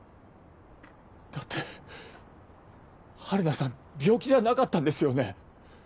だって陽菜さん病気じゃなかったんですよね？